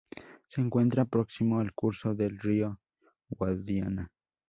Se encuentra próximo al curso del río Guadiana.